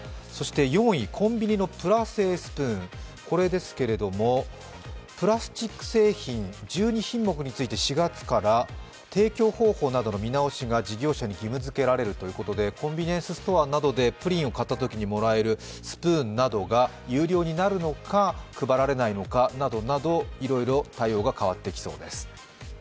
そして４位、コンビニのプラ製スプーン、これですけれどもプラスチック製品１２品目について４月から提供方法などの見直しが事業者に義務付けられるということで、コンビニエンスストアなどでプリンを買ったときにもらえるスプーンなどが有料になるのか、配られないのかなどなどいろいろ対応が変わってきそうです。